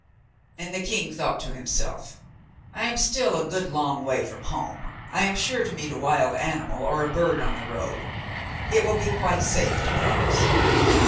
And the king thought to himself: 'I am still a good long way from home, I am sure to meet a wild animal or a bird on the road, it will be quite safe to promise.